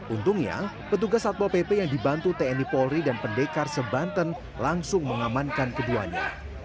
untungnya petugas satpol pp yang dibantu tni polri dan pendekar sebanten langsung mengamankan keduanya